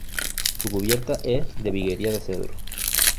Su cubierta es de viguería de cedro.